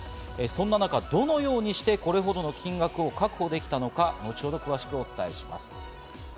そんな中、どのようにして、これほどの金額を確保できたのか、後ほど、詳しくお伝えします。